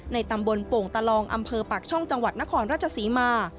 ตำบลโป่งตะลองอำเภอปากช่องจังหวัดนครราชศรีมา